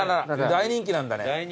大人気なんだこれ。